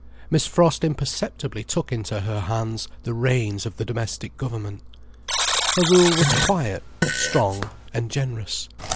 Miss Frost imperceptibly took into her hands the reins of the domestic government. Her rule was quiet, strong, and generous.